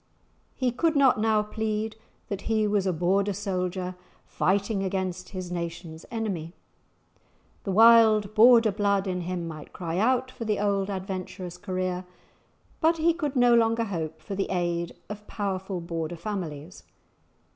He could not now plead that he was a Border soldier, fighting against his nation's enemy. The wild Border blood in him might cry out for the old adventurous career, but he could no longer hope for the aid of powerful Border families.